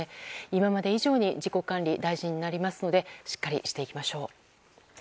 今まで以上に自己管理が大事になりますのでしっかりしていきましょう。